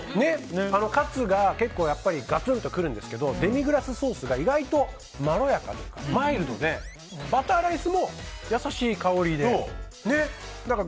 カツがガツンと来るんですけどデミグラスソースが意外とまろやかというかマイルドでバターライスも優しい香りで。